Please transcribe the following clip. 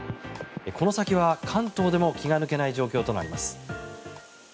この先は関東でも気が抜けない状況となります。